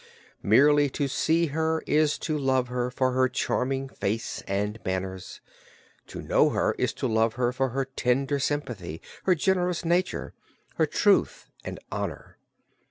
Merely to see her is to love her for her charming face and manners; to know her is to love her for her tender sympathy, her generous nature, her truth and honor.